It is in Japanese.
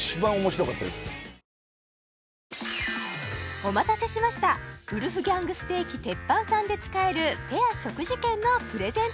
お待たせしましたウルフギャング・ステーキＴＥＰＰＡＮさんで使えるペア食事券のプレゼント